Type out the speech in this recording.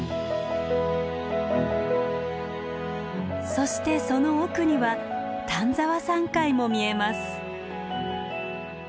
そしてその奥には丹沢山塊も見えます。